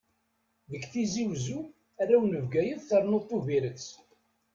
Deg Tizi-Wezzu, arraw n Bgayet, ternuḍ Tubiret.